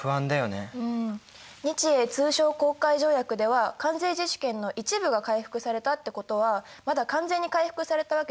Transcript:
日英通商航海条約では関税自主権の一部が回復されたってことはまだ完全に回復されたわけではなかったんだね。